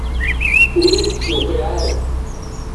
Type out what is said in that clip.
Ur am-d-tuqiɛ ara.